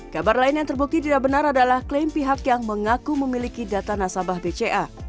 kabar lain yang terbukti tidak benar adalah klaim pihak yang mengaku memiliki data nasabah bca